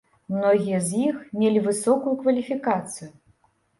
Многія з іх мелі высокую кваліфікацыю.